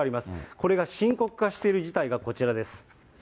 これが深刻化している事態がこちらです。